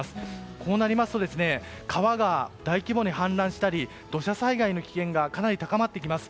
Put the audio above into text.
こうなりますと川が大規模に氾濫したり土砂災害の危険性が高まってきます。